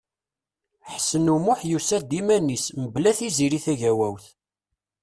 Ḥsen U Muḥ yusa-d iman-is, mebla Tiziri Tagawawt.